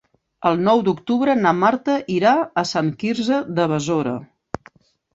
El nou d'octubre na Marta irà a Sant Quirze de Besora.